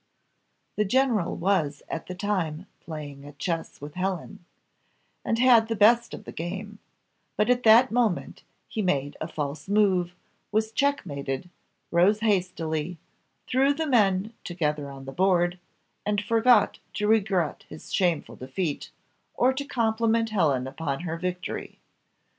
The general was at the time playing at chess with Helen, and had the best of the game, but at that moment he made a false move, was check mated, rose hastily, threw the men together on the board, and forgot to regret his shameful defeat, or to compliment Helen upon her victory.